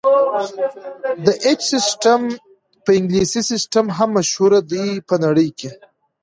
د ایچ سیسټم په انګلیسي سیسټم هم مشهور دی په نړۍ کې.